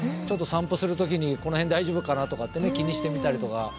ちょっと散歩する時に「この辺大丈夫かな？」とかってね気にしてみたりとか。